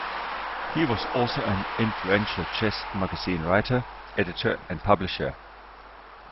He was also an influential chess magazine writer, editor, and publisher.